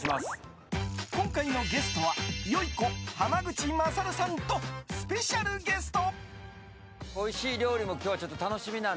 今回のゲストはよゐこ濱口優さんとスペシャルゲスト。